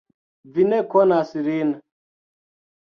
Vi ne konas lin.